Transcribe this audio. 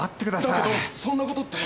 だけどそんなことって。